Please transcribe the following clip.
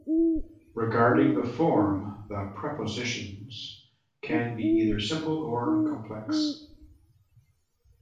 Regarding the form, the prepositions can either be "simple" or "complex".